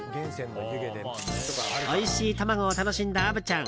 おいしい卵を楽しんだ虻ちゃん。